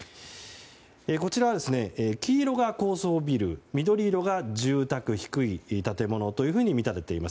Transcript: こちらは黄色が高層ビル緑色が住宅低い建物と見立てています。